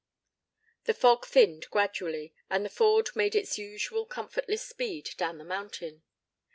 The fog thinned gradually and the Ford made its usual comfortless speed down the mountain.